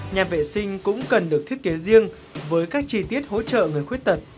nhà vệ sinh cũng cần được thiết kế riêng với các chi tiết hỗ trợ người khuyết tật